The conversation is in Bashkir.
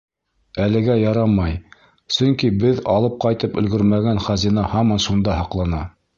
Әлегә ярамай, сөнки беҙ алып ҡайтып өлгөрмәгән хазина һаман шунда һаҡлана.